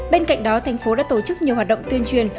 bên cạnh đó tp hcm đã tổ chức nhiều hoạt động tuyên truyền